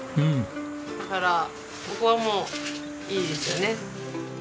だからここはもういいですよね。